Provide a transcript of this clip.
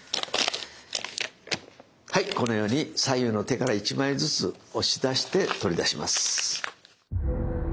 はいこのように左右の手から１枚ずつ押し出して取り出します。